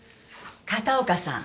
片岡さん